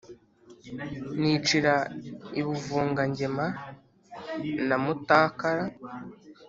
Nicira i Buvugangema na Mutakara,